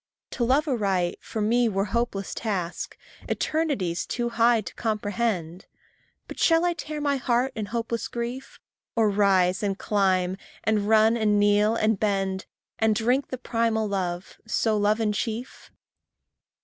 To love aright, for me were hopeless task, Eternities too high to comprehend. But shall I tear my heart in hopeless grief, Or rise and climb, and run and kneel, and bend, And drink the primal love so love in chief?